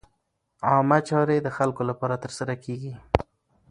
عامه چارې د خلکو لپاره ترسره کېږي.